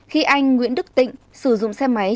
khi anh nguyễn đức tịnh sử dụng xe máy